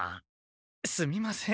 すみません。